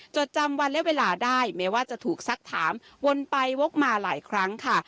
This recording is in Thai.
จดจำวันและเวลาได้แม้ว่าจะถูกสักถามวนไปวกมาหลายครั้งค่ะ